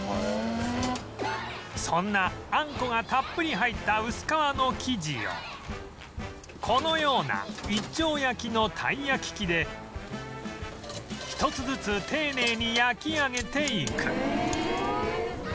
そんなあんこがたっぷり入った薄皮の生地をこのような一丁焼きのたいやき器で一つずつ丁寧に焼き上げていく